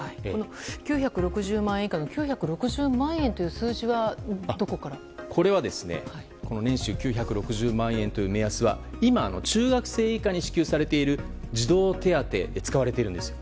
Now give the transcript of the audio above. ９６０万円以下の９６０万円という数字は年収９６０万円という目安は今、中学生以下に支給されている児童手当で使われているんです。